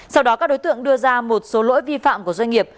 sau đó các đối tượng đưa ra một số lỗi vi phạm của doanh nghiệp